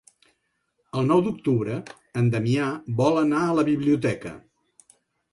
El nou d'octubre en Damià vol anar a la biblioteca.